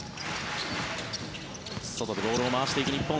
外でボールを回していく日本。